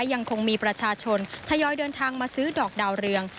ยังคงมีประชาชนทยอยเดินทางมาซื้อดอกดาวเรือง